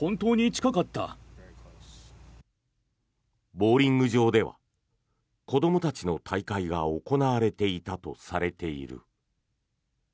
ボウリング場では子どもたちの大会が行われていたとされている。